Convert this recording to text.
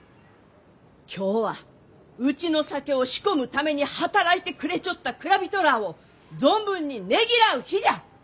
今日はうちの酒を仕込むために働いてくれちょった蔵人らあを存分にねぎらう日じゃ！